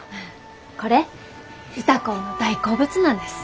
これ歌子の大好物なんです。